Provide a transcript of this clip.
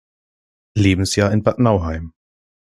Lebensjahr in Bad Nauheim.